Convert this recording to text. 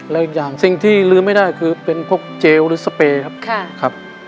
แล้วอีกอย่างสิ่งที่ลืมไม่ได้คือเป็นพวกเจลหรือสเปย์ครับ